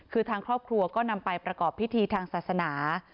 คือทางครอบครัวก็นำไปประกอบพิธีทางศาสนา